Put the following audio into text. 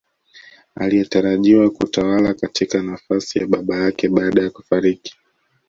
Aliyetarajiwa kutawala katika nafasi ya baba yake baada ya kufariki